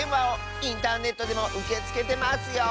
インターネットでもうけつけてますよ。